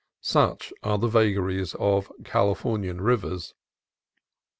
Such are the vagaries of Californian rivers.